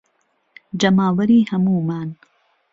جهماوهری ههموومان